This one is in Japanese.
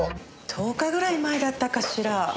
１０日ぐらい前だったかしら。